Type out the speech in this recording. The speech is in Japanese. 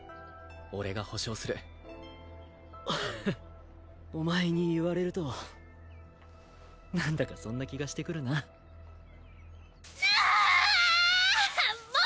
俺が保証するフッお前に言われると何だかそんな気がしてくるなうわあ！